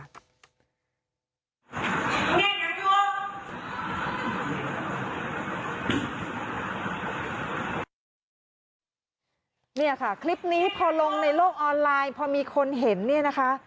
เนี่ยค่ะคลิปนี้พอลงในโลกออนไลน์พอมีคนเห็นเนี่ยนะคะ